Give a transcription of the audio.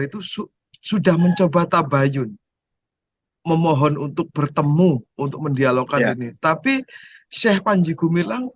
itu sudah mencoba tabayun memohon untuk bertemu untuk mendialogkan ini tapi syekh panjigu milang